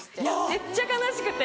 めっちゃ悲しくて！